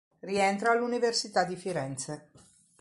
Rientra all'Università di Firenze.